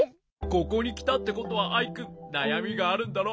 ここにきたってことはアイくんなやみがあるんだろう？